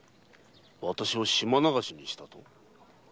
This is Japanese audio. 「私を島流しにした」？